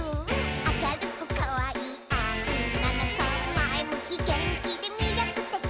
「あかるくかわいいおんなのこ」「まえむきげんきでみりょくてき！」